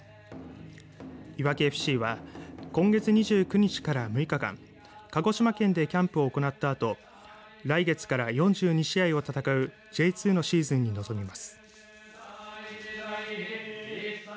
いわきＦＣは今月２９日から６日間鹿児島県でキャンプを行ったあと来月から４２試合を戦うＪ２のシーズンに臨みます。